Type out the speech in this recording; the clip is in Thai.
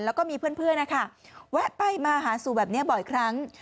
แล้วก็มีเพื่อนนะคะแวะไปมาหาสู่แบบนี้บ่อยครั้ง